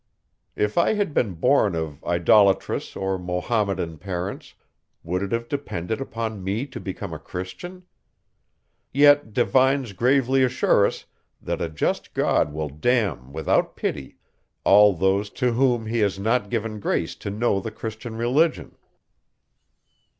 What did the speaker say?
If I had been born of idolatrous or Mahometan parents, would it have depended upon me to become a Christian? Yet, divines gravely assure us, that a just God will damn without pity all those, to whom he has not given grace to know the Christian religion!